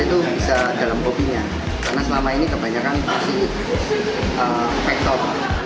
itu bisa dalam kopinya karena selama ini kebanyakan pasti vektor